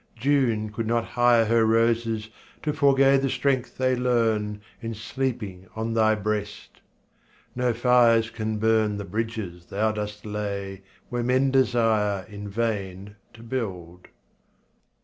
June could not hire Her roses to forego the strength they learn In sleeping on thy breast. No fires can burn The bridges thou dost lay where men desire In vain to build.